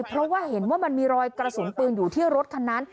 เพราะว่าเห็นว่ามันมีรอยกระสุนปืนอยู่ที่รถคันนั้น